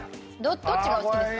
どっちが好きですか？